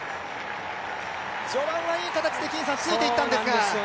序盤はいい形でついていったんですが。